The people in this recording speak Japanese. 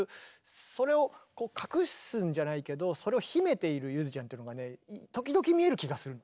それをこう隠すんじゃないけどそれを秘めているゆづちゃんというのがね時々見える気がするの。